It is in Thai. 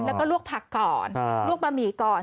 แล้วก็ลวกผักก่อนลวกบะหมี่ก่อน